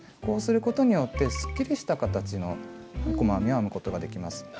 こうすることによってすっきりした形の細編みを編むことができます。